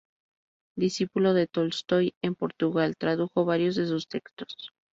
Discípulo de Tolstoi en Portugal, tradujo varios de sus textos.